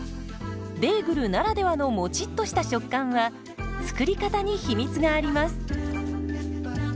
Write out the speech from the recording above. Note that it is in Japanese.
ベーグルならではのもちっとした食感は作り方に秘密があります。